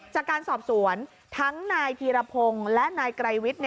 จากการสอบสวนทั้งนายธีรพงศ์และนายไกรวิทย์